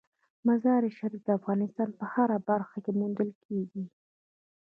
مزارشریف د افغانستان په هره برخه کې موندل کېږي.